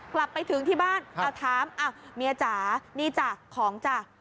กลับไปถึงที่บ้านถามเมียจ๋านี่จ๋าของจ๋า